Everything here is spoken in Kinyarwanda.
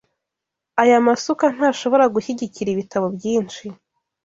Aya masuka ntashobora gushyigikira ibitabo byinshi.